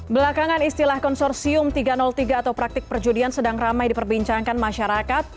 belakangan istilah konsorsium tiga ratus tiga atau praktik perjudian sedang ramai diperbincangkan masyarakat